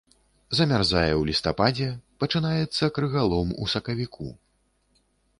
Замярзае ў лістападзе, пачынаецца крыгалом у красавіку.